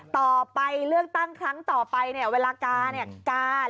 ต่อไปเลือกตั้งครั้งต่อไปเนี่ยเวลากาเนี่ยกา